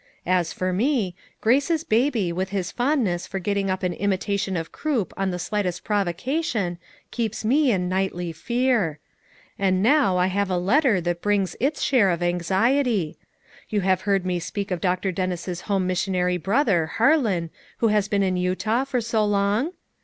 As for me, Grace's baby with his fondness for getting up an imitation of croup on the slightest provo cation keeps me in nightly fear. And now, I FOUR MOTHERS AT CHAUTAUQUA 167 have a letter that brings its share of anxiety. You have heard me speak of Dr. Dennis's home missionary brother, Harlan, who has been in Utah for so long?